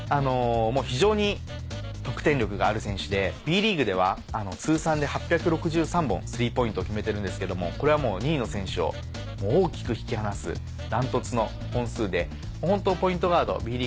非常に得点力がある選手でＢリーグでは通算で８６３本３ポイントを決めてるんですけどもこれは２位の選手を大きく引き離す断トツの本数で。